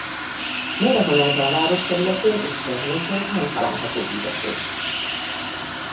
Mindazonáltal a város területén és környékén nem található vízesés.